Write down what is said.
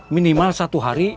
minimal satu hari